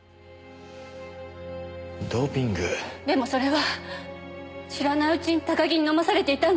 でもそれは知らないうちに高木に飲まされていたんです。